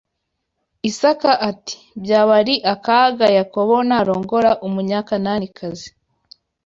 Isaka ati ‘byaba ari akaga Yakobo na arongoye Umunyakananikazi.’